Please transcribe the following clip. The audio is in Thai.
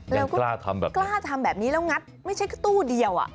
แล้วก็กล้าทำแบบนี้แล้วงัดไม่ใช่กระตู้เดียว